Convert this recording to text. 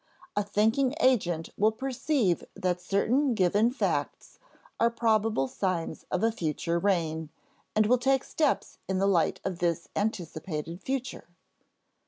A thinking agent will perceive that certain given facts are probable signs of a future rain, and will take steps in the light of this anticipated future.